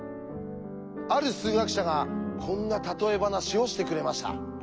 ある数学者がこんな例え話をしてくれました。